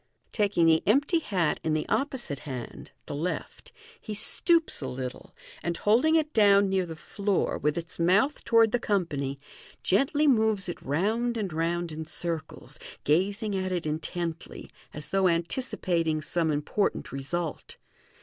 Taking the empty hat in the opposite hand (the left), he stoops a little, and holding it down near the floor, with its mouth toward the company, gently moves it round and round in circles, gazing at it intently, as though anticipating some important result.